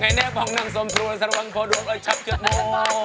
ใครแน่ฟังนั่งสมภูมิสำหรับวังพอดวงอันชับจุดโมง